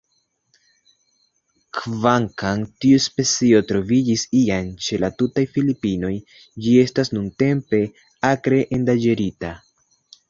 Kvankam tiu specio troviĝis iam ĉe la tutaj Filipinoj, ĝi estas nuntempe akre endanĝerita.